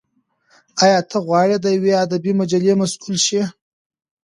ایا ته غواړې د یوې ادبي مجلې مسول شې؟